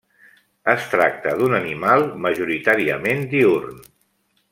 Es tracta d'un animal majoritàriament diürn.